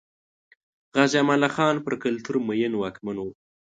غازي امان الله خان پر کلتور مین واکمن و.